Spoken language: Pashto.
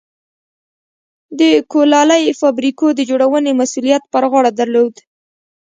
د کولالۍ فابریکو د جوړونې مسوولیت پر غاړه درلود.